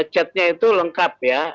chatnya itu lengkap ya